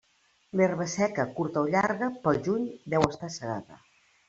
L'herba seca, curta o llarga, pel juny deu estar segada.